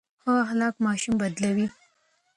ښه اخلاق ماشوم بدلوي.